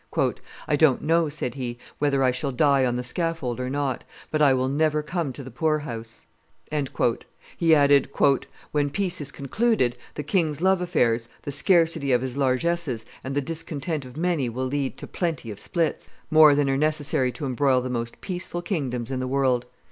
"I don't know," said he, "whether I shall die on the scaffold or not; but I will never come to the poorhouse." He added, "When peace is concluded, the king's love affairs, the scarcity of his largesses, and the discontent of many will lead to plenty of splits, more than are necessary to embroil the most peaceful kingdoms in the world.